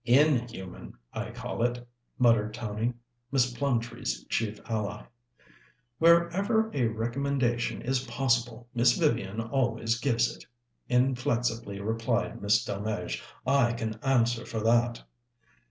"_In_human, I call it," muttered Tony, Miss Plumtree's chief ally. "Wherever a recommendation is possible, Miss Vivian always gives it," inflexibly replied Miss Delmege. "I can answer for that."